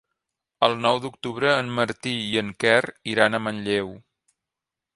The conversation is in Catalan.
El nou d'octubre en Martí i en Quer iran a Manlleu.